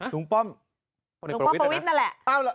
ลุงป้อมประวิทย์นั่นแหละ